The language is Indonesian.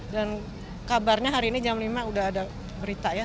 dan kabarnya hari ini jam lima udah ada berita ya